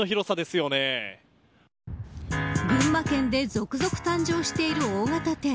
群馬県で続々誕生している大型店。